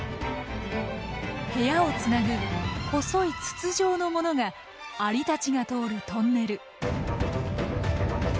部屋をつなぐ細い筒状の物がアリたちが通るトンネル。